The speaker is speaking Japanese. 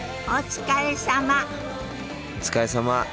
お疲れさま。